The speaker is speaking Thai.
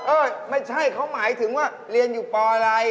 ไม่ใช่เขาหมายถึงว่าเรียนอยู่ปอะไร